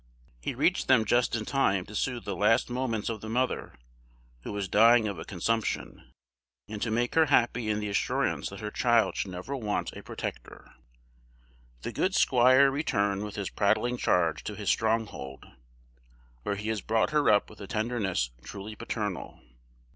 He reached them just in time to soothe the last moments of the mother, who was dying of a consumption, and to make her happy in the assurance that her child should never want a protector. The good squire returned with his prattling charge to his stronghold, where he has brought her up with a tenderness truly paternal.